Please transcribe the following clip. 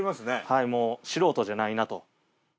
はいもう素人じゃないなと。